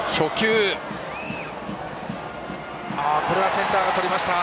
センターがとりました。